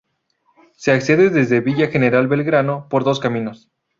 Se accede desde Villa General Belgrano, por dos caminos.